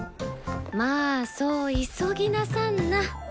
まあそう急ぎなさんな。